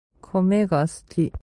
コメが好き